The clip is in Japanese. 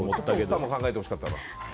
奥さんも考えてほしかったな。